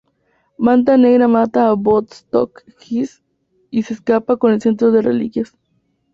Manta Negra mata a Vostok-X y se escapa con el cetro de reliquias.